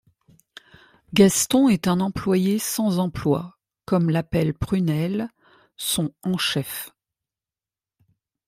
Gaston est un employé sans emploi, comme l'appelle Prunelle, son en chef.